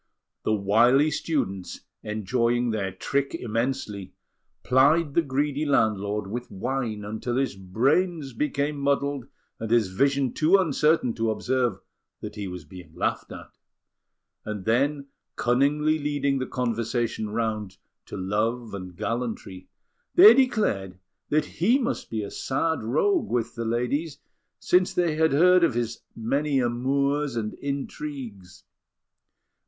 The wily students, enjoying their trick immensely, plied the greedy landlord with wine until his brains became muddled and his vision too uncertain to observe that he was being laughed at; and then, cunningly leading the conversation round to love and gallantry, they declared that he must be a sad rogue with the ladies, since they had heard of his many amours and intrigues.